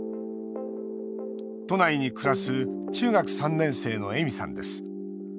都内に暮らす中学３年生の、えみさんです。